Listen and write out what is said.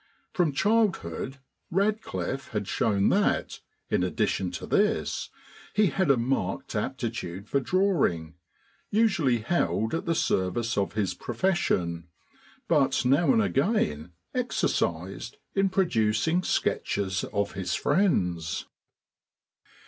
From childhood Radcliffe had shown that, in addition to this, he had a marked aptitude for drawing, usually held at the service of his profession, but now and again exercised in producing sketches of his friends.